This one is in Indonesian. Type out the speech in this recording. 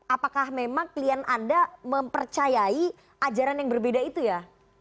apakah memang klien anda mempercayai ajaran yang berbeda itu ya